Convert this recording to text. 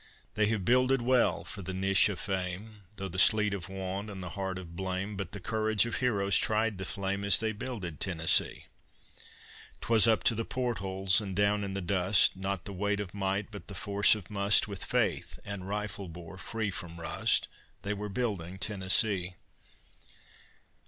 They have builded well for the niche of fame, Through the sleet of want and the heat of blame, But the courage of heroes tried the flame, As they builded Tennessee. 'Twas up to the port holes and down in the dust, Not the weight of might, but the force of must, With faith and rifle bore free from rust, They were building Tennessee.